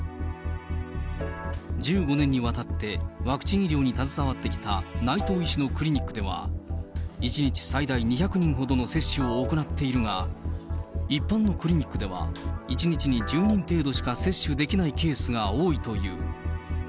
１５年にわたってワクチン医療に携わってきた内藤医師のクリニックでは、１日最大２００人ほどの接種を行っているが、一般のクリニックでは、１日に１０人程度しか接種できないケースが多いという。